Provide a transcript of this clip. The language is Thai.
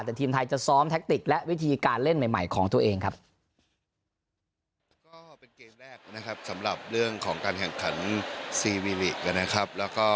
แต่ทีมไทยจะซ้อมแท็กติกและวิธีการเล่นใหม่ของตัวเองครับ